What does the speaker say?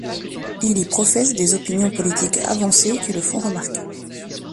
Il y professe des opinions politiques avancées qui le font remarquer.